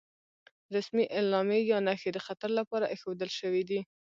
رسمي علامې یا نښې د خطر لپاره ايښودل شوې دي.